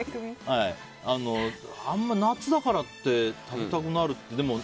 あんまり夏だからって食べたくなるのは。